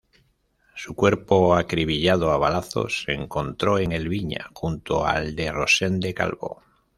Su cuerpo, acribillado a balazos, se encontró en Elviña junto al de Rosende Calvo.